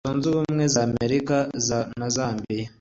Leta Zunze Ubumwe za Amerika na Zambia